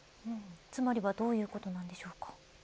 つまりはどういうことなんでしょうか。